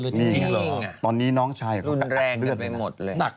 เลยจริงอะตอนนี้น้องชายรุนแรงเกิดไปหมดเลยหนัก